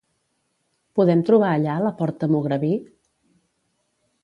Podem trobar allà la porta Mugrabí?